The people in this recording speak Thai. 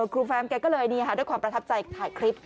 แฟมแกก็เลยด้วยความประทับใจถ่ายคลิป